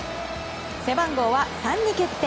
背番号は３に決定。